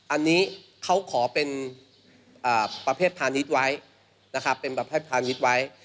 อันนี้เขาขอเป็นประเภทพาณิชย์ไว้นะครับเป็นประเภทพาณิชย์ไว้